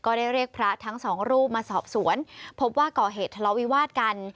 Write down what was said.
ได้เรียกพระทั้งสองรูปมาสอบสวนพบว่าก่อเหตุทะเลาวิวาสกัน